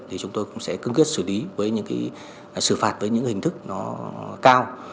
thì chúng tôi cũng sẽ cung kết xử lý xử phạt với những hình thức cao